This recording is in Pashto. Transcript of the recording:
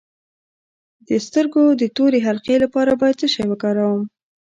د سترګو د تورې حلقې لپاره باید څه شی وکاروم؟